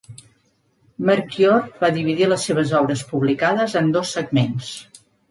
Merquior va dividir les seves obres publicades en dos segments.